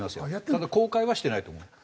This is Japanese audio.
ただ公開はしてないと思う。